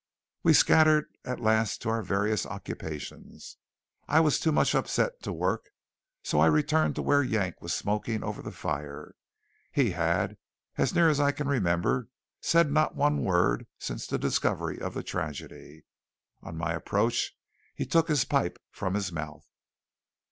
We scattered at last to our various occupations. I was too much upset to work, so I returned to where Yank was smoking over the fire. He had, as near as I can remember, said not one word since the discovery of the tragedy. On my approach he took his pipe from his mouth.